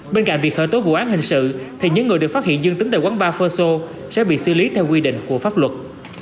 bên cạnh việc khởi tố vụ án hình sự thì những người được phát hiện dương tính tại quán ba ferso sẽ bị xử lý theo quy định của pháp luật